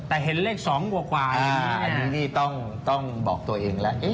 อันนี้ต้องบอกตัวเองแล้ว